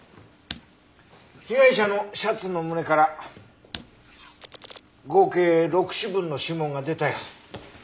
被害者のシャツの胸から合計６指分の指紋が出たよ。